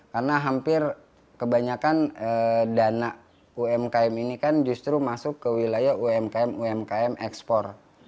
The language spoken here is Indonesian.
karena hampir kebanyakan dana umkm ini kan justru masuk ke wilayah umkm umkm ekspor